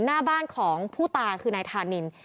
หน้าบ้านของผู้ตายคือนายธานิน